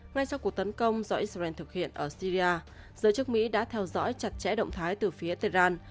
ngay sau cuộc tấn công do israel thực hiện ở syria giới chức mỹ đã theo dõi chặt chẽ động thái từ phía tehran